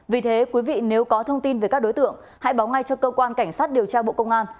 vì thế quý vị nếu có thông tin về các đối tượng hãy báo ngay cho cơ quan cảnh sát điều tra bộ công an